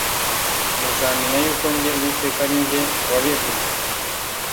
muzamenya yuko jye Uwiteka ari jye wabivuze